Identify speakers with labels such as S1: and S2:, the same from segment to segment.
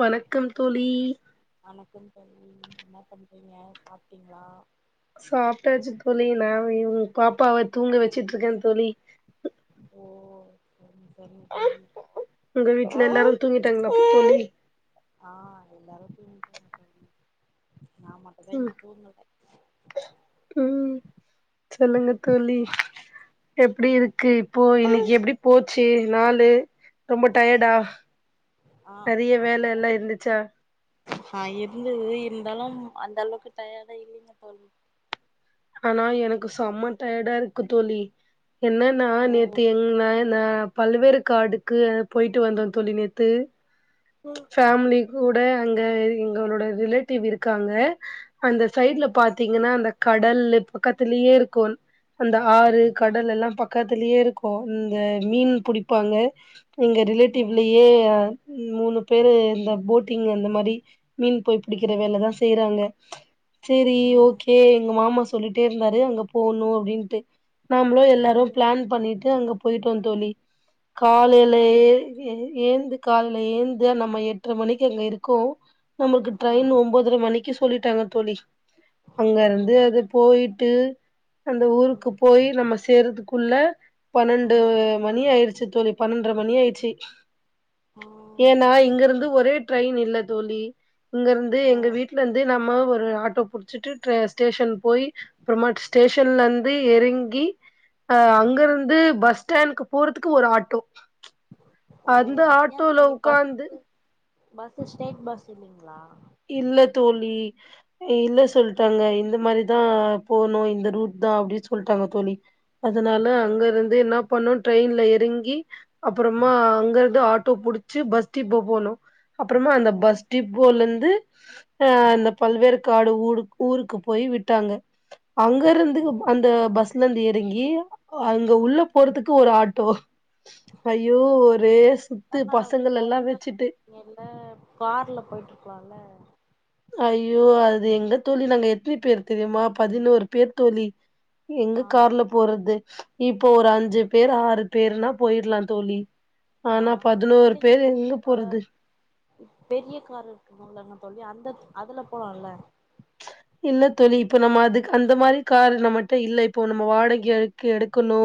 S1: வணக்கம் தோழி
S2: வணக்கம் தோழி என்ன பண்றிங்க சாப்ட்டிங்ளா
S1: சாப்டாச்சு தோழி நா இவுங் பாப்பாவ தூங்க வெச்சுட்ருக்கே தோழி
S2: ஓ சரிங்க தோழி
S1: தூங்கிட்டாங்ளா தோழி
S2: ஆ எல்லாரு தூங்கிட்டாங்க தோழி நா மட்டுந்தா
S1: ம்
S2: இன்னு தூங்கல
S1: ம் சொல்லுங்க தோழி எப்டி இருக்கு இப்போ இன்னைக்கு எப்டி போச்சு நாலு ரொம்ப டயர்டா
S2: ஆ
S1: நெறைய வேல
S2: அப்டிதா
S1: எல்லா இருந்துச்சா
S2: ஆ இருந்துது இருந்தாலும் அந்த அளவுக்கு டயர்டா இல்லிங்க தோழி
S1: ஆனா எனக்கு செம டயர்டா இருக்கு தோழி என்னன்னா
S2: ஓ
S1: நேத்து எங்ன அந்த பழ்வேற்காடுக்கு போயிட்டு வந்தோ தோழி நேத்து ஃபேமிலி கூ ட அங்க எங்கோளட ரிலேட்டிவ் இருக்காங்க அந்த சைடுல
S2: ம்
S1: பாத்திங்கனா அந்த கடல்லு பக்கத்திலயே இருக்கு அந்த ஆறு கடல் எல்லா பக்கத் திலயே இருக்கு இங்க மீன் புடிப்பாங்க எங்க
S2: ம்
S1: ரிலேட்டிவ்லயே ம் மூணு பேரு இந்த போட்டிங் அந்த மாரி மீன் போய் புடிக்கிற வேலதா செய்றாங்க சேரி ஓகே எங்க மாமா சொல்லிட்டே இருந்தாரு அங்க போணு அப்டின்ட்டு நாம்ளு எல்லாரு பிளான் பண்ணிட்டு அங்க போய்ட்டோ தோழி காலைல ஏறி ஏந்து காலல ஏந்த் து நம்ம எட்ற மணிக்கு அங்க இருக்கவு நம்மளுக்கு
S2: ஆ ஆ ஆ ஆ சரி ஆ
S1: ட்ரெயின் ஒம்போதர மணி க்கு சொல்லிட்டாங்க தோழி அங்க
S2: ம்
S1: இருந்து அது போயி ட்டு அந்த ஊருக்கு
S2: ம்
S1: போயி நம்ம சேறதுக்குள்ள பன்னண்டு
S2: ம்
S1: மணி ஆயிருச் சு தோழி பன்னண்டர மணி ஆயிடுச்சு
S2: ஓ
S1: ஏனா இங்க இருந்து ஒரே ட்ரெயின் இல்ல தோழி இங்க இருந்து
S2: ஓ
S1: எங்க வீட்ல இருந்து நம்ம ஒ ரு ஆட்டோ புடிச்சிட்டு ட் ஸ்டேஷன் போயி அப்பறமா ஸ்டேஷன்ல இருந்து எறங்கி
S2: ஓ
S1: ஆஹ் அங்கிருந்து பஸ் ஸ்டேண்க்கு போறதுக்கு ஒரு ஆட்டோ
S2: ஓ
S1: அந்த
S2: ஏ
S1: ஆட்டோல
S2: தோழி
S1: உக்காந்து
S2: பஸ்ஸு பஸ்ஸு ஸ்ட்ரெய்ட் பஸ் இல்லிங்ளா
S1: இல்ல தோழி இல்ல சொல்ட்டாங்க இந்த மாரிதா போனு இந்த ரூட்தா அப்டின் சொல்ட்டாங்க தோழி அதனால
S2: ஓ
S1: அங்க இருந்து என்ன பண்ணோ ட்ரெயின்ல இறங்கி அப்பறமா அங்கருந்து ஆட்டோ புடிச்சு பஸ் டிப்போ போணோ அப்பறமா அந்த
S2: ஓ
S1: பஸ் டிப்போல இருந்து ஆ அந்த பழ்வேற்காடு ஊடு ஊருக்கு போய் விட்டாங்க அங்க இருந்து
S2: ஓ
S1: அந்த பஸ்ல இருந்து எறங்கி அங்க உள்ள போறதுக் கு ஒரு ஆட்டோ
S2: பேசாம
S1: ஐயோ ஒரே சுத்து பசங்கள் எல்லா
S2: [unintelligible]
S1: வச்சுட்டு
S2: இல்ல கார்ல போயிட்டு இருக்கலால
S1: ஐயோ அது எங்க தோழி நாங்க எத்னி பேர் தெரிமா பதினோரு பேர் தோழி
S2: ஆ
S1: எங்க கார்ல போறது இப்போ ஒரு அஞ்சு பேர் ஆறு பேருனா போயிர்லா தோழி
S2: ஆ
S1: ஆனா
S2: இல்லைங்க
S1: பேர்
S2: தோழி
S1: எங்க
S2: இப்ப
S1: போறது?
S2: பெரிய கார் இருக்குமல்லங்க தோழி அந்த அதுல போலால்ல
S1: இல்ல தோழி இப்போ நம்ம அதுக்கு அந்த மாரி காரு நம்மட்ட இல்ல இப்போ நம்ம வாடகைக்கு எடுக்கனு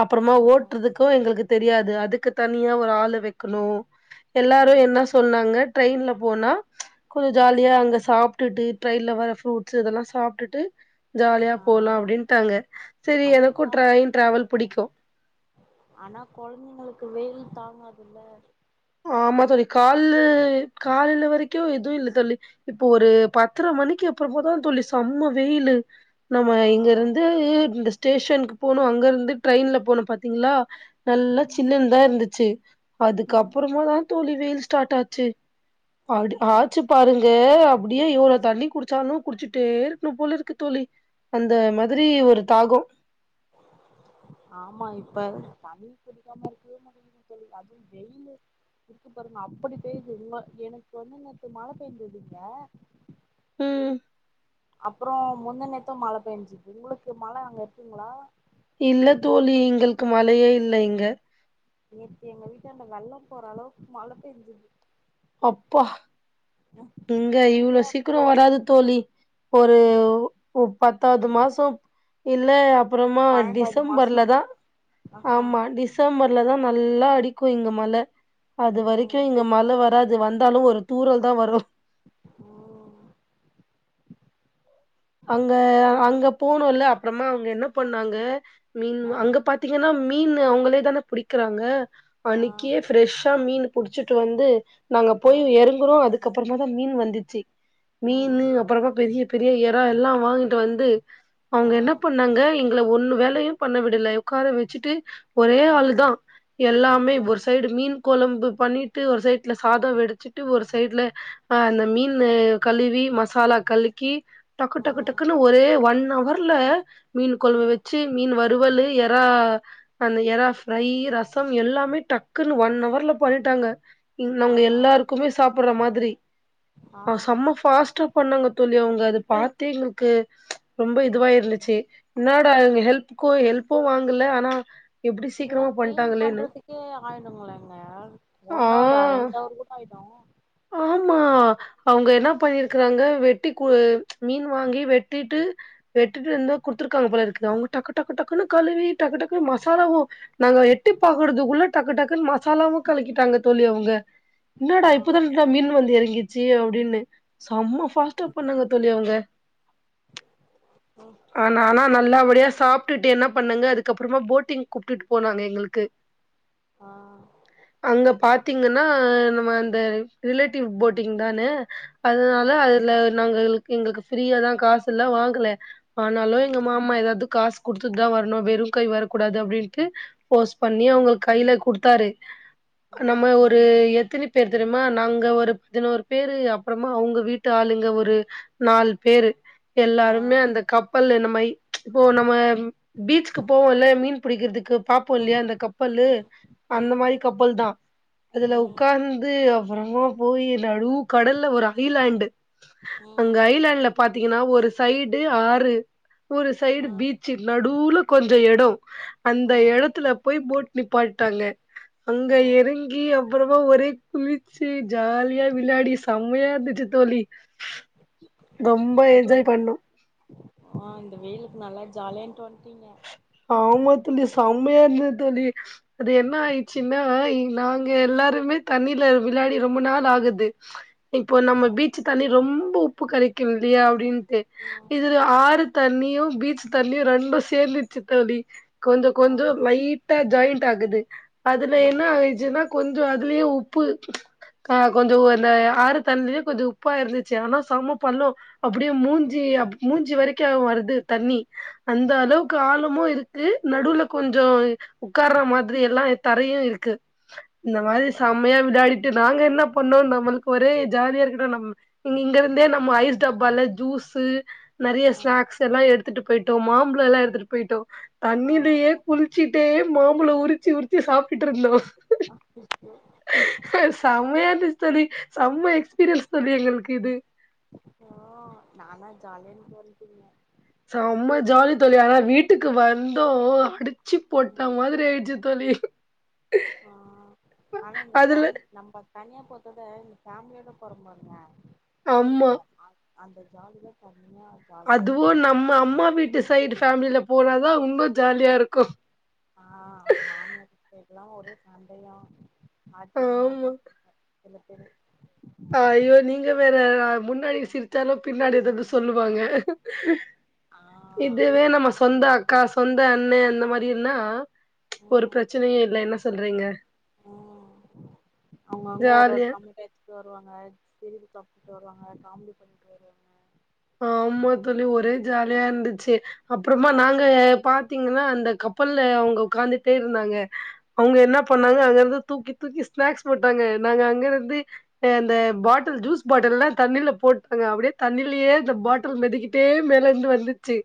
S1: அப்பறமா
S2: ம்
S1: ஓட்டறதுக்கு எங்களுக்கு தெரியாது அதுக்கு தனியா ஒரு ஆள வெக்கணு எல்லாரு என்ன சொன்னாங்க ட்ரெயின்ல போனா கொஞ்ச ஜாலியா
S2: ம்
S1: அங்க சாப்டுட்டு ட்ரெயின்ல ஃப்ரூட்ஸ் இதெல்லா சாப்டுட்டு ஜாலியா
S2: ஆ
S1: போலா அப்டின்ட்டாங்க செரி
S2: அதுவு
S1: எனக்கு
S2: ஜாலி
S1: ட்ரெயின் டிராவல்
S2: போகும்
S1: புடிக்கு
S2: ஆனா கொழந்தைங்களுக்கு வெயில் தாங்காதுல்ல
S1: ஆமா தோழி காலு காலில வரைக்கு எதுவு இல்ல தோழி இப்போ ஒரு பத்தர மணிக்கு அப்றமாதா தோழி செம்ம வெயிலு நம்ம
S2: ஆ
S1: இங்கிருந்து இந்த ஸ்டேஷனுக்கு போனு அங்க இருந்து ட்ரெயின்ல போனு பாத்தீங்ளா நல்லா
S2: ம்
S1: சில்லுன்தா இருந்து சேர் அதுக்கப்
S2: ம்
S1: தோழி வெயில் ஸ்டாட் ஆச்சு ஆடு
S2: ஓ
S1: ஆச்சு பாருங்க யே அப்டியே எவ்ளோ தண்ணி குடிச்சாலு குடிச்சுட்டே இருக்ணு போல இருக்கு தோழி அந்த மாதிரி ஒரு தாகோ
S2: ஆமா இப்ப தண்ணி குடிக்காம இருக்வே முடியாது தோழி அதுவு வெயிலு இருக்கு பாருங்க அப்டி பேய்து [unintelligible] எனக் வந்து நேத்து மழ பேஞ்சுது இங்க
S1: உம்
S2: அப்ரோ முந்த நேத்துதா மழ பெஞ்சிது உங்ளுக்கு மழ அங்க இருக்குங்களா
S1: இல்ல தோழி எங்கள்க்கு மழையே இல்ல இங்க
S2: நேத்து எங்க வீடான்ட வெள்ளோ போற அளவுக்கு மழை பெஞ்சிது
S1: அப்பா இங்க
S2: வீடே
S1: இவ்ளோ சீக்ரோ
S2: அப்பதா
S1: வராது தோழி ஒரு ஒ பத்தாவது மாசோ இல்ல அப் அப்றமா
S2: பன்னெண்டாவது மாசோ
S1: டிசம்பர்ல தா
S2: ம்
S1: ஆமா டிசம்பர் ல தா நல்லா அடிக்கு இங்க மழ அது வரிக்கு
S2: ம்
S1: இங்க மழ வராது அது வந்தாலு ஒரு தூறல் தா வரு
S2: ஓ
S1: போனுல அப்றமா அவுங்க என்ன பண்ணாங்க மீன்
S2: ஆ
S1: அங்க பாத்தீங்ன்னா மீன்னு அவுங்களே தான புடிக்குறாங்க
S2: ஆ
S1: அன்னிக்கே ஃபெரெஷ் அ மீன் புடிச்சிட்டு வந்து நாங்க
S2: ஆ
S1: போய் எறங்குறோ அதுக்கப் அப்பறமா தா மீன் வந்துச்சு
S2: ம்
S1: மீனு அப்புறமா பெரிய பெரிய எ றா எல்லா வாங்கிட்டு வந்து
S2: ஆ
S1: அவுங்க என்ன பண்ணாங்க இங் இல்ல ஒண்ணு வேலையு பண்ண விடல உக்கார வச்சுட்டு ஒரே
S2: ஆ
S1: ஆள் தா எல்லாமே
S2: ஆ ஆ
S1: ஒரு சைடு மீன் கொழம்பு பண்ணிட்டு ஒரு சைட்ல சாதோ வெடிச்சுட்டு ஒரு சைட்ல அ அந்த மீனு கழுவி மசாலா கலுக்கி டக்கு டக்கு டக்குன்னனு ஒரே ஒன் நவர்ல மீன் கொழம்ப
S2: ம்
S1: வெச்சு மீன் வருவலு எறா பண் எறா ஃப்ரை ரஸ் சொல் எல்லாமே டக்குன்னு ஒன் அவர்ல பண்ணிட்டாங்க இங்
S2: ஆ
S1: அவுங்க எல்லாருக்குமே சாப் புட்ற மாதிரி
S2: ஆ
S1: அவே செம்ம ஃபாஸ்டா பண்ணாங்க தோழி அவுங்க அது பாத்தே எங்களுக்கு ரொம்ப இதுவா இருந்துச்சி என்னாட இவுங்க ஹெல்ப்க்கு ஹெல்ப்பு வாங்கல ஆனா எப்டி
S2: இதெல்லா
S1: சீக்கிரமா
S2: கிளீன்
S1: பண்ட்டாங்களேன்னு
S2: பண்றதுக்கே ஆயடுங்களேங்க
S1: ஆ
S2: ஒன் அவரா ரெண்டவர் கூட ஆயிடு
S1: ஆமா அவுங்க என்ன பண்ணிருக்குறாங்க வெட்டி மீன் வாங்கி வெட்டிட்டு வெட்டிட்டு இருந்தா குடுத் துருக்காங்க போலருக்கு அவுங்க டக்கு டக்கு டக் குன்னு கழுவி டக்கு டக்குன்னு மசாலாவு நாங்க எட்டி பாக்குறதுக்குள்ள டக்கு டக்குன்னு மசா லாவு கழக்கிட்டாங்க தோழி அவங்க இன்னடா
S2: ஆ
S1: இது மீன் வந்து இறங்கிர்ச்சி அப்டின்னு செம்ம பாஸ்ட்டா பண்ணாங்க தோழி அவங்க ஆ நானா நல்லபடியா சாப்ட்டுட்டு என்ன பண்ணுங்க அதுக்கப்பறமா போட்டிங் கூப்ட்டுட்டு போனாங்க எங்களுக்கு
S2: ஆ
S1: அங்க பாத் பத்தீங்கன்னா நம்ம அந்த ரிலேட்டிவ் போட்டிங் தானு அதனால
S2: ம்
S1: அதுல நாங்க எங்களுக்கு ஃப்ரீயாதா காசுல்ல வாங்கல ஆனால
S2: ம்
S1: எங்க மாமா ஏதாது காசு குடுத்துத்தா வரணு வெறு கை வரக்கூடாது அப்டின்டு போர்ஸ் பண்ணி
S2: ம்
S1: அவங்க கைல குடுத்தாரு நம்ம
S2: ம்
S1: ஒரு எத்தின பேர் தெரிம் மா நாங்க ஒரு பதினோரு பேரு அப்புறமா அவங்க வீட்டு ஆளுங்க ஒரு நாலு பேரு எல்லாருமே
S2: ஆ
S1: அந்த கப்பல் என்னமை இப்போ நம்ம பீச்க்கு போவோல்ல மீன் பிடிக்கிறதுக்கு பாப்போ இல்லையா
S2: ம்
S1: அந்த கப்பல்லு
S2: ம் ம்
S1: அந்த
S2: ம்
S1: மாரி கப்பல் தா அதுல உக்காந்து அப்பறமா போயி நடு கடல்ல ஒரு ஐலண்டு அங்க
S2: ம்
S1: ஐலண்ட்ல பாத்தீ ங்கனா ஒரு சைடு ஆறு ஒரு சைடு
S2: ம்
S1: பீச்சு நடுவுல கொஞ்ச எடம் அந்த
S2: ம்
S1: எடத்துல போய் போட் நிப்பாட்டிடாங்க அங்க
S2: ஓ
S1: இறங்கி அப்பறமா ஒரே [unintelligible] சே ஜாலியா விளாடி செம்மையா இருந்துச்சுத்தோழி ரொம்ப
S2: அதுவு
S1: என்ஜாய் பண்ணோ
S2: ஆ இந்த வெயிலுக்கு நல்லா ஜாலியா இருந்துட்டு வந்டீங்க
S1: ஆமா தோழி செம்மய இருந்தது தோழி அது என்ன ஆயிச்சுன்னா இ நாங்க எல்லாருமே தண்ணிலே விளயாடி ரொம்ப நாள் ஆகுது இப்போ நம்ம
S2: ஓ
S1: பீச்சு தண்ணி ரொம்போ உப்பு கரிக்கும் இல்லயா அப்டின்டு
S2: ம்
S1: இதுல ஆறு தண்ணியும் பீச் தண்ணியும் ரெண்டு சேர்ந்து சித்தோழி கொஞ்ச
S2: ஆ
S1: கொஞ்ச லைட்டா ஜாயிண்ட் ஆகுது அதுல
S2: ஆ
S1: என்ன ஆயிச்சுனா கொஞ்ச கொஞ்ச அதுலேயே உப்பு ஆஹ் கொஞ்ச அந்த ஆறு தண்ணிலயும் கொஞ்ச உப்பா இருந்துச்சு ஆனா செம பள்ளோ அப்டியே மூஞ்சி அப் மூஞ்சி வரைக்கு வருது இது தண்ணி அந்த அளவுக் காலமு இருக்கு நடுவுல கொஞ்ச உட்கார்ற மாதிரி எல்லா தரையும் இருக்கு இந்த
S2: ஓ
S1: மாரி செம்மையா விளாடிட்டு நாங்க என்ன பண்ணோ நம்மளுக்கு ஒரே ஜாலியா இருக்குடா நம் இங்க இங்க இருந்தே நம்ம ஐஸ் டப்பால ஜூஸு நெறைய
S2: ஆ
S1: ஸ்நாக்ஸ் எல்லா எடு த்துட்டு போயிட்டோ மாம்பழோ எல்லா எடுத்துட்டு போய்ட்டோ
S2: ஆ
S1: தண்ணிலேயே குளிச்சிட்டே மாம்பழோ உரிச்சி உரிச்சி சாப்டுட்டு இருந்தோ செமயா இருந் தோழி செம எக்ஸ்பீரியன்ஸ் தோழி எங்களுக்கு இது
S2: ஓ, நால் நாளு ஜாலியா இருந்துட்டு வந்துட்டீங்க
S1: செம ஜாலி தோழி, ஆனா வீட்டுக்கு வந்து அடி ச்சி
S2: ம்
S1: போட்ட மாதிரி ஆயிடுச்சு தோழி
S2: ஆ ஆனா இந்த
S1: அதுல
S2: ஃபேம், நம்ப தனியா போறத விட, இந்த ஃபேமிலியோட போறோ பாருங்க அப்பற
S1: ஆமா
S2: ஜா அ அந்த ஜாலிதா, த
S1: அதுவு நம்ம அம்மா வீட்டு சைடு ஃபேமிலில போனாதா இன்னு ஜாலியா இருக்கு
S2: ஆஹ் மாமி அத்தைக்லா ஒரே சண்டையா ஆச்சரியமாதா சொன்னே ல்ல தெரு
S1: அஹ் ஐயோ நீங்க வேற முன்னாடி சிரிச்சாலு பின்னாடி எதாது சொல்லுவாங்க
S2: ஆ
S1: இதுவே நம்ம
S2: அதுல
S1: சொந்த அக்கா சொந்த அண் மே அந்த மாதிரினா ஒரு பிரச்சனையே இல்ல என்ன சொல்றீங்க
S2: உம்ம் அவங்க அங்க ஒரு ஒரு
S1: ஜாலியா
S2: கம்மி [unintelligible] வருவாங்க [unintelligible] வருவாங்க காமெடி பண்ணிட்டு வருவாங்க
S1: ஆம்மா தோழி ஒரே ஜாலியா இருந்துச்சு அப்புறமா நாங்க பாத்தீங்கன்னா அந்த கப்பல்ல அவங்க உட்கார்ந்துட்டே இருந்தாங்க அவங்க என்ன பண்ணாங்க அங்க இருந்து தூக்கி தூக்கி ஸ்நாக்ஸ் போட்டாங்க நாங்க அங்க இருந்து ந்த இந்த பாட்டில் ஜூஸ் பாட்டல்லா தண்ணில போட்டாங்க அப்டியே தண்ணிலயே இந்த பாட்டில் மெதக்கிட்டே மேலர்ந்து வந்து ச்சு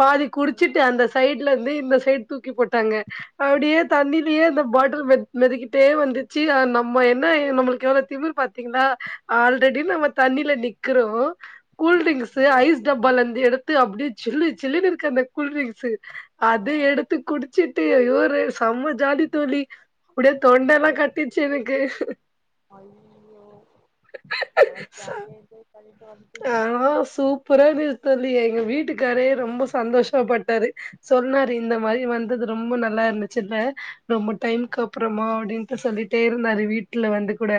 S1: பாதி
S2: ஆ
S1: குடிச்சிட்டு அந்த சைடுல இருந்து சைட் தூக்கி போ ட்டாங்க அப்டியே தண்ணிலயே அந்த பாட் டில் மெதக்கிட்டே வந்துச்சு அ நம்ம என்ன எ நம்மளுக்கு எவ்ளோ திமிர் பாத்தீங்களா ஆல்ரெடி நம்ம தண்ணில நிக்கறோ கூல் டிரிங்க்ஸ் ஐஸ் டப்பால இருந்து எடுத்து அப்டி சில்லு சில்லுனு இருக்கு அந்த கூல்டிரிங்க்ஸு
S2: ஆ ஆ
S1: அது எடுத்து குடிச்சிட் டு இவுரு செம்ம ஜாலி தோழி அப்படியே
S2: ஆ
S1: தொண்டல்லா கட்டிச்சு எனக்கு
S2: ஐயோ நல்லா ஜாலியா என்ஜாய் பண்ணிட்டு வந்துட்டீங்க
S1: ஆனா சூப்பராருந்தது தோழி எங்க வீட்டுக்காரு ரொம்ப சந்தோஷப்பட்டாரு சொன்னாரு இந்த மாரி வந்தது ரொம்ப நல்லா இருந்துச்சுல்ல ரொம்ப
S2: ம்,
S1: டைம்கப்பறமா அப்படின்ட்டு சொல்லிட்டே இருந்தாரு வீட்டுல வந்து கூட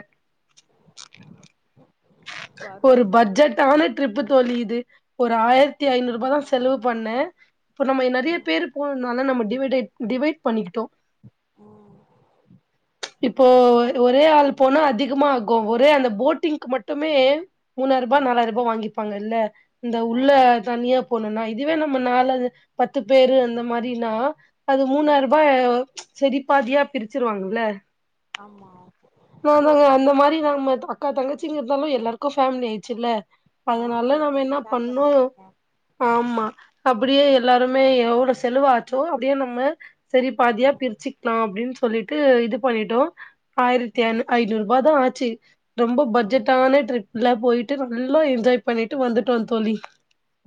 S1: ஒரு
S2: பரவாயில்லைங்க தோழி
S1: பட்ஜெட்டான ட்ரிப்பு தோழி இது ஒரு ஆயிரத்தி ஐநூறு
S2: ஆ
S1: ரூபா தா செலவு பண்ணே இப்ப நம்ம நெறைய
S2: ம்
S1: பேரு போனனால நம்ம டிவைடட் டிவைட் பண்ணிக்கிட்டோ
S2: ம்
S1: இப்போ
S2: அந்த
S1: ஒரே
S2: மாரி
S1: ஆள்
S2: ஷேர்
S1: போனா அதிகமா
S2: பண்ணிருக்கே
S1: ஆகு ஒரே அந்த போட்டிங்க்கு மட்டு மேமூணாயிரூபா
S2: ம்
S1: நாலாயரூபா வாங்கிப்பாங்க இல்ல இந்த
S2: ஆ
S1: உள்ள தனியா போ ன்னா இதுவே நம்ம நாலு பத்து பேரு அந்த மாரினா அது
S2: ம்
S1: மூணாரூபா சரி பாதியா பிரிச்சிருவாங்கல்ல
S2: ஆமா
S1: நா தாங்க அந்த மாரி வாங் மாட்டோ அக்கா தங்கச்சிங்க இருந்தாலு எல்லாருக்கு ஃபேமிலி ஆயிச்சுல்ல
S2: ஆ
S1: அதனால
S2: கொஞ்ச
S1: நாம
S2: கொஞ்ச
S1: என்ன
S2: ஷேர்
S1: பண்ணோ
S2: பண்ணிட்டு இருக்கே
S1: ஆமா அப்படியே எல்லாருமே எவ்ள செலவாச்சோ அப்டியே நம்ம சரி பாதியா
S2: ம்
S1: பிரிச்சுக்லா அப்டின் சொல்லிட்டு இது பண்ணிட்டோ ஆயிரத்தி ஐநூ
S2: ம்
S1: ஐநூறுவா தா ஆ ச்சு ரொம்ப
S2: ம்
S1: பட்ஜெட் ட்ரிப்லா போயிட்டு நல்லா என்ஜாய் பண்ணிட்டு வந்துட்டோ தோழி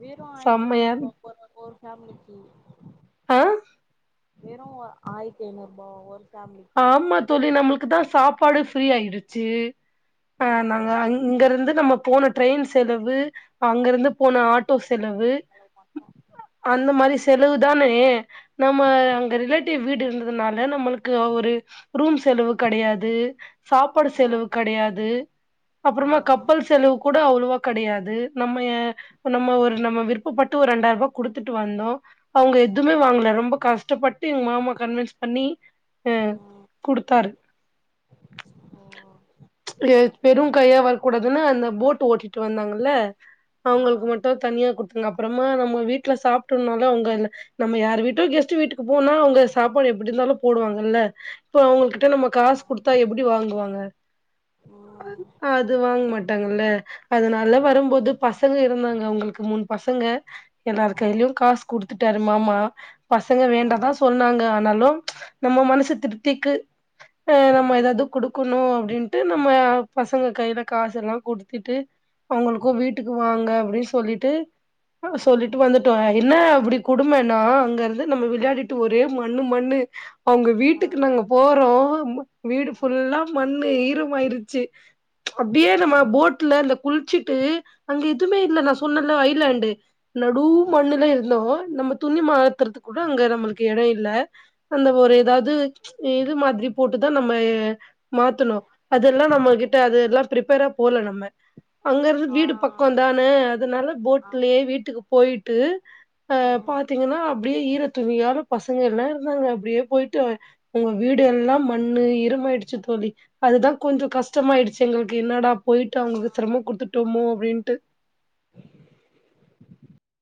S2: வெறு ஆயிரத்தி
S1: செம்மையா
S2: ஐநூறுபா
S1: இரு-
S2: போறாங்க ஒரு ஃபேமிலிக்கு
S1: ஆ
S2: வெறு ஆய்ரத்தி ஐநூறுபா ஒரு ஃபேமிலிக்கு
S1: ஆமா தோழி நம்மளுக்கு தா சாப் பாடு ஃப்ரீ ஆயிடுச்சு ஆ நாங்க அங்க ருந்து நம்ம போன ட்ரெயின் செலவு அங்கிருந்து போன ஆட்டோ
S2: அப்றோ
S1: செலவு அந்த மாரி செலவு தானே நம்ம
S2: ம்
S1: அங்க ரிலேட்டிவ் வீடு இருந்ததுனால நம்மளுக் கு ஒரு ரூம் செலவு கெடையாது சாப்பாடு செலவு கெடையாது
S2: ஆ ஆ
S1: அப்பறமா கப்பல் செலவு கூட அவ்வளவா கெடையாது நம்ம நம்ம ஒரு நம்ம விருப்பப்ப ட்டு ஒரு ரெண்டாயிருவா குடுத்துட்டு வந்தோ அவங்க எதுவமே
S2: ம்
S1: வாங்கல ரொம்ப கஷ் டப்பட்டு எங்க மாமா கன்வின்ஸ் பண்ணி அ
S2: ம்
S1: குடுத்தாரு
S2: ஓ
S1: வெறு கையா வரக்கூடாதுன்னு அந்த போட் ஓட்டிட்டு வந்தாங்கல்ல
S2: ஆ
S1: அவங்களுக்கு மட்டு தனியா குடுத்தங்க அப்பறமா நம்ம வீட்ல சாப்ட்டோன்னாலு அவுங்கைல நம்ம யார் வீட்டோ கெஸ்ட்டு வீட்டுக்கு போனோ அவங்க சாப்பாடு எப்படி இருந்தாலு போடுவாங்கல்ல இப்ப அவங்கள் கிட்ட
S2: ம்
S1: நம்ம காசு
S2: ஆ
S1: குடுத்தா எப்படி வாங்குவாங்க
S2: ம்
S1: அது வாங்கமாட் டாங்கல்ல அதுனால
S2: ஆமா
S1: வரும்போது பசங்க இருந்தாங்க அவுங்களுக்கு மூணு பசங்க எல்லாரு
S2: ம்
S1: கைலயு காசு குடுத் த்துட்டாரு மாமா பசங்க
S2: ஆ
S1: வேண்டாதா சொன்னாங்க னாலு நம்ம மனசு திருப்திக்கு ஆ நம்ம
S2: குடுத்துட்டு
S1: ஏதாவது குடுக்கணு அப்படின் அ பசங்க கையில காசு எல்லா குடுத்துட்டு அவங்களுக்கு வீட்டுக்கு வாங்க அப்டின் சொல்லிட்டு சொல்லிட்டு
S2: ம்
S1: வந்துட்டோ என்ன அப்படி கொடுமைன்னா அங்க இருந்து நம்ம விளையாடிட்டு ஒரே மண்ணு மண்ணு அவங்க
S2: ஆ
S1: வீட்டுக்கு நாங்க போறோ வீடு
S2: ஆ
S1: ஃபுல்லா மண்ணு இரு ஆயிடுச்சு அப்படியே
S2: ஆ
S1: நம்ம போட்ல குளிச்சிட்டு அங்க எதுவுமே இல்ல நா சொன்னேல ஐலேண்டு நடு
S2: ம்
S1: மண்ணுல இருந்தோ நம்ம துணி மாத்துறதுக் கூட அங்க எடம் இருக்கு எடோ இல்ல அந்த ஒரு
S2: ம்
S1: ஏதாவது இது மாதிரி போட்டுதா நம்ம மாத்தணு ப்ரிப்பேரா போல நம்ம அங்க இருந்து
S2: ஆ
S1: வீடு பக்கம் தானே அதனால
S2: ஆ
S1: போட்லயே வீட்டுக்கு போயிட்டு அ
S2: ம்
S1: பாத்தீங்கன்னா அப்டியே ஈர துணியோட பசங்க எல்லா இருந்தாங்க அப்டியே போயிட்டு உங்க வீடு எல்லா மண் ணு ஈரமாயிடுச்சு தோழி அதுதா கொஞ்ச கஷ்டமாயிடுச்சு எங்களுக்கு என்னடா போயிட்டு அவங்களுக்கு
S2: ஆ
S1: சிரமம் கொடுத்துட்டோமோ அப்டின்ட்டு